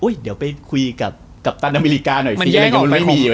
โอ๊ยเดี๋ยวไปคุยกับกัปตันอเมริกาหน่อยสิ